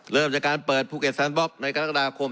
เริ่มจากการเปิดภูเก็ตแซนบล็อกในกรกฎาคม